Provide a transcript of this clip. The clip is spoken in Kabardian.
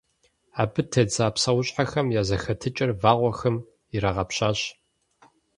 Абы тедза псэущхьэхэм я зэхэтыкӀэр вагъуэхэм ирагъэпщащ.